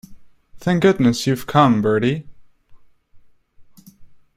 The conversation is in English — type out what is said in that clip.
Thank goodness you've come, Bertie.